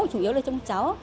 chủ yếu là trông cháu